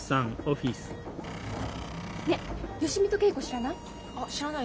ねえ芳美と恵子知らない？